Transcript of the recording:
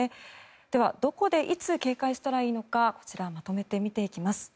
では、どこで、いつ警戒したらいいのかこちら、まとめて見ていきます。